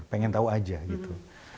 pengen tahu aja gitu